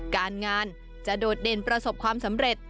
การงานจะโดดเด่นประสบความสำเร็จ